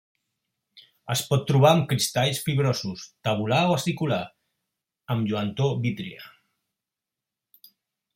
Es pot trobar amb cristalls fibrosos, tabular o acicular, amb lluentor vítria.